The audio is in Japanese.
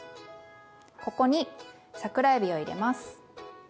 ここに桜えびを入れます。